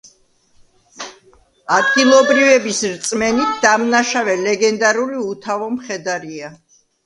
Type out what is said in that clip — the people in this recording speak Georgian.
ადგილობრივების რწმენით დამნაშავე ლეგენდარული უთავო მხედარია.